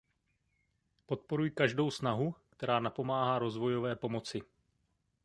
Podporuji každou snahu, která napomáhá rozvojové pomoci.